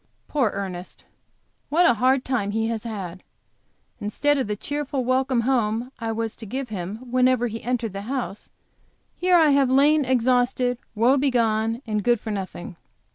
Poor Ernest! What a hard time he has had! Instead of the cheerful welcome home I was to give him whenever he entered the house, here I have lain exhausted, woe begone and good for nothing.